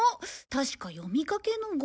確か読みかけのが。